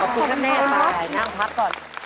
ขอบคุณแน่นมากเลยนะพักก่อน